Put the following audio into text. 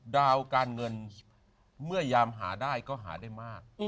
ดาวการเงินเมื่อยามหาได้ก็หาได้มาก